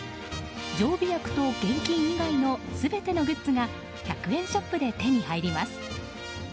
常備薬と現金以外の全てのグッズが１００円ショップで手に入ります。